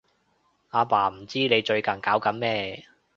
阿爸唔知你最近搞緊咩